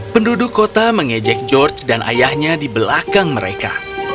penduduk kota mengejek george dan ayahnya di belakang mereka